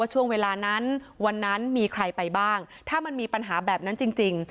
ช่วงเวลานั้นวันนั้นมีใครไปบ้างถ้ามันมีปัญหาแบบนั้นจริง